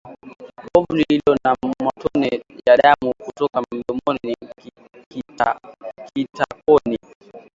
Povu lililo na matone ya damu kutoka mdomoni na kitakoni